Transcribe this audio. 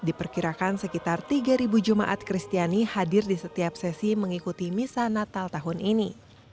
diperkirakan sekitar tiga jemaat kristiani hadir di setiap sesi mengikuti misa natal tahun ini